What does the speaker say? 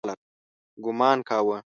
ګومان کاوه.